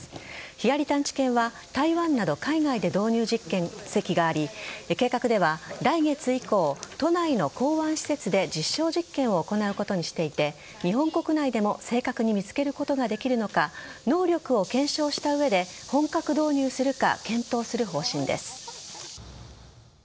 ヒアリ探知犬は台湾など海外で導入実績があり計画では、来月以降都内の港湾施設で実証実験を行うことにしていて日本国内でも正確に見つけることができるのか能力を検証した上で本格導入するか検討する方針です。